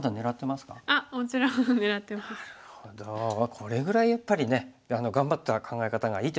これぐらいやっぱりね頑張った考え方がいいってことですね。